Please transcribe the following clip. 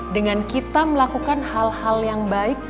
dengan kita melakukan hal hal yang baik